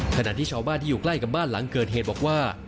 ขณะที่ชาวบ้านที่อยู่ใกล้กับบ้านหลังเกิดเหตุบอกว่า